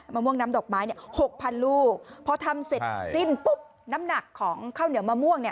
มะม่วงน้ำดอกไม้๖๐๐๐ลูกพอทำเสร็จสิ้นน้ำหนักของข้าวเหนียวมะม่วง